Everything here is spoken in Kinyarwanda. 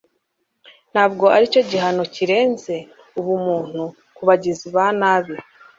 ntabwo aricyo gihano kirenze ubumuntu kubagizi ba nabi